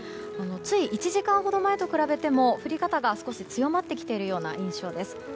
つい１時間ほど前と比べても降り方が少し強まってきている印象です。